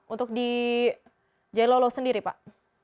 untuk di jailolo sendiri pak